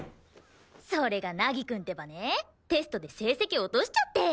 それが凪くんってばねテストで成績落としちゃって。